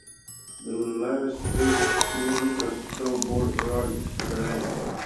The last eight kilometers show more rugged terrain.